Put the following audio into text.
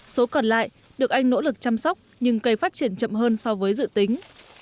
số còn lại được anh nỗ lực chăm sóc nhưng cây phát triển chậm hơn so với dự tính